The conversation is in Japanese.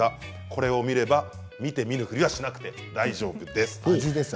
これを見れば、見て見ぬふりをしなくても大丈夫です。